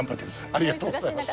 ありがとうございます。